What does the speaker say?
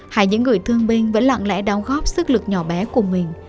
hay những người thương binh vẫn lặng lẽ đóng góp sức lực nhỏ bé của mình